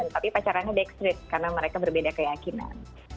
tapi pacarannya backstreet karena mereka berbeda keyakinan